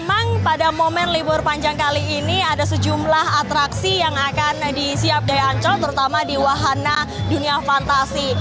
memang pada momen libur panjang kali ini ada sejumlah atraksi yang akan disiapkan dari ancol terutama di wahana dunia fantasi